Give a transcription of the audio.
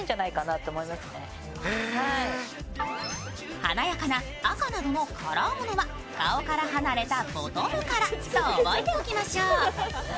華やかな赤などのカラーものは顔から離れたボトムからと覚えておきましょう。